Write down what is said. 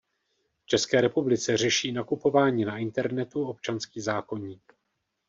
V České republice řeší "nakupování na internetu" občanský zákoník.